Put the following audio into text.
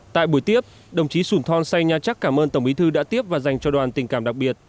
tại buổi tiếp đồng chí sủn thon say nha chắc cảm ơn tổng bí thư đã tiếp và dành cho đoàn tình cảm đặc biệt